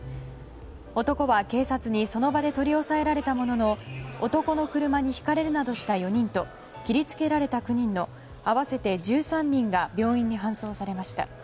男は警察にその場で取り押さえられたものの男の車にひかれるなどした４人と切り付けられた９人の合わせて１３人が病院に搬送されました。